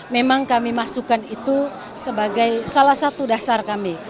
memang kami masukkan itu sebagai salah satu dasar kami